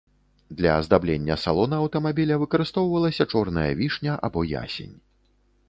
Для аздаблення салона аўтамабіля выкарыстоўвалася чорная вішня або ясень.